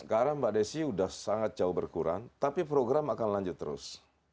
sekarang mbak desi sudah sangat jauh berkurang tapi program akan lanjut terus